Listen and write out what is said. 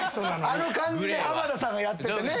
あの感じで浜田さんがやっててね。